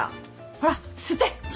ほら吸って！